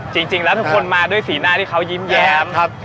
จริงแล้วทุกคนมาด้วยสีหน้าที่เขายิ้มแย้ม